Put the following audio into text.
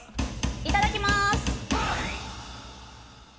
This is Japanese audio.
いただきます！